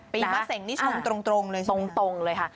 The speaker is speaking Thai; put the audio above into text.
ปีมะเส็งนี่ชงตรงเลยใช่ไหมครับตรงเลยค่ะ